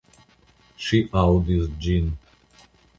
Ŝi aŭdis ĝin.